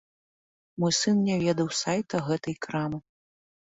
Мой сын не ведаў сайта гэтай крамы.